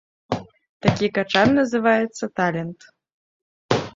Такі качан называецца талент.